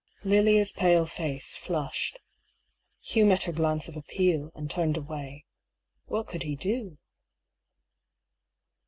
Lilia's pale face flushed. Hugh met her glance of appeal, and turned away. What could he do